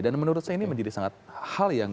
dan menurut saya ini menjadi sangat hal